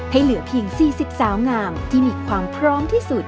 ให้เหลือเพียง๔๐สาวงามที่มีความพร้อมที่สุด